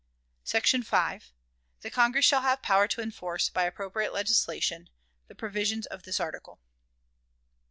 "SECTION 5. The Congress shall have power to enforce, by appropriate legislation, the provisions of this article."